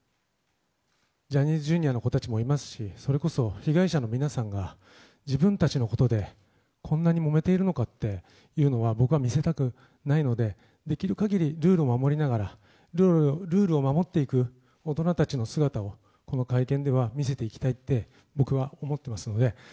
ジャニーズＪｒ．の子たちもいますし、それこそ被害者の皆さんが、自分たちのことでこんなにもめているのかっていうのは僕は見せたくないので、できるかぎりルールを守りながら、ルールを守っていく大人たちの姿を、この会見では見せていきたいって、僕は思ってますので。